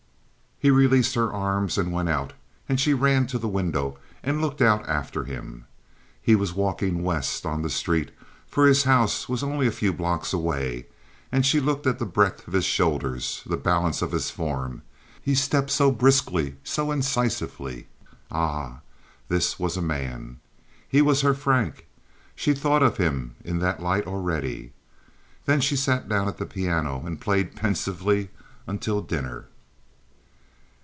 He released her arms, and went out, and she ran to the window and looked out after him. He was walking west on the street, for his house was only a few blocks away, and she looked at the breadth of his shoulders, the balance of his form. He stepped so briskly, so incisively. Ah, this was a man! He was her Frank. She thought of him in that light already. Then she sat down at the piano and played pensively until dinner.